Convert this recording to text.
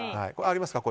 ありますか？